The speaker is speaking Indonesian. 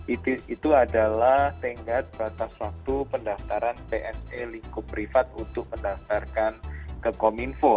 itu adalah tenggat batas waktu pendaftaran pse lingkup privat untuk mendaftarkan ke kominfo